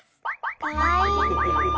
かわいい！